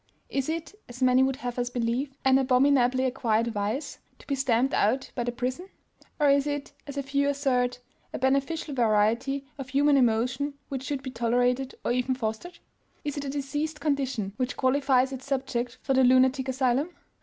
Is it, as many would have us believe, an abominably acquired vice, to be stamped out by the prison? or is it, as a few assert, a beneficial variety of human emotion which should be tolerated or even fostered? Is it a diseased condition which qualifies its subject for the lunatic asylum?